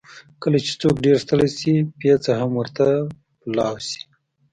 کله چې څوک ډېر ستړی شي، پېڅه هم ورته پلاو شي.